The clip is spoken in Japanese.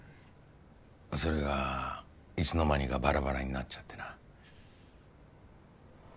それがいつの間にかばらばらになっちゃってな。